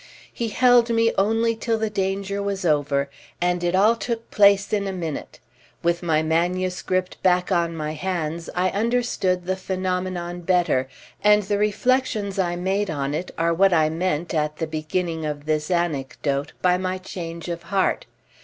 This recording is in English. He held me only till the danger was over, and it all took place in a minute. With my manuscript back on my hands I understood the phenomenon better, and the reflexions I made on it are what I meant, at the beginning of this anecdote, by my change of heart.